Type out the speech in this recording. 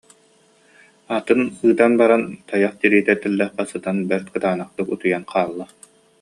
Атын ыытан ба- ран, тайах тириитэ тэллэххэ сытан бэрт кытаанахтык утуйан хаалла